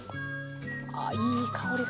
あいい香りが。